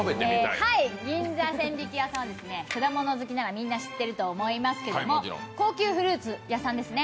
銀座千疋屋さんは果物好きならみんな知ってると思いますけれども高級フルーツ屋さんですね。